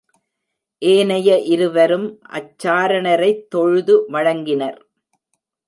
ஏனைய இருவரும் அச்சாரணரைத் தொழுது வணங்கினர்.